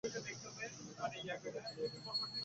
জীবনের আর কোন প্রকার ব্যাখ্যা দেওয়া যায় না।